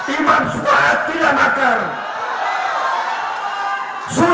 imam suhaid tidak makar